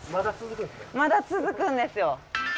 まだ続くんですよ。